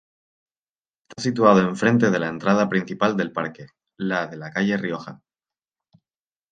Está situado enfrente de la entrada principal del parque, la de la calle Rioja.